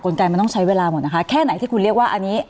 ไกมันต้องใช้เวลาหมดนะคะแค่ไหนที่คุณเรียกว่าอันนี้